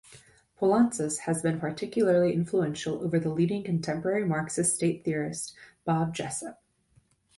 Poulantzas has been particularly influential over the leading contemporary Marxist state theorist, Bob Jessop.